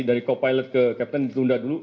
dari co pilot ke captain ditunda dulu